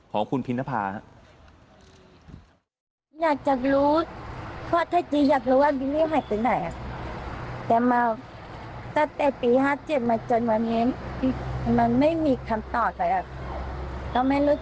ของคุณพินนภาพฤกษาพันธ์